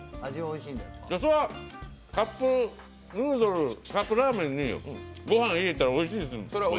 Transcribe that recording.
そら、カップヌードルカップラーメンにご飯入れたらおいしいです。